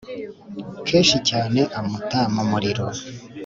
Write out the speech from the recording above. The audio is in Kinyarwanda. Kenshi cyane amuta mu muriro